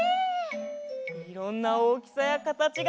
いろんなおおきさやかたちがあるんだね。